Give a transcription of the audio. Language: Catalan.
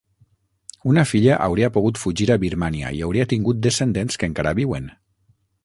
Una filla hauria pogut fugir a Birmània i hauria tingut descendents que encara viuen.